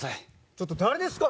ちょっと誰ですか？